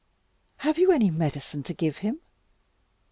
"Have you any medicine to give him?"